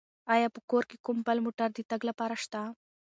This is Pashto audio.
آیا په کور کې کوم بل موټر د تګ لپاره شته؟